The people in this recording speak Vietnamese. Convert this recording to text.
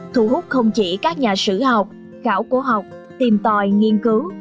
thu hút không chỉ các nhà sử học khảo cổ học tìm tòi nghiên cứu